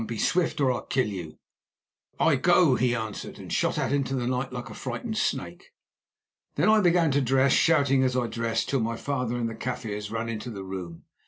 Be swift or I kill you." "I go," he answered, and shot out into the night like a frightened snake. Then I began to dress, shouting as I dressed, till my father and the Kaffirs ran into the room.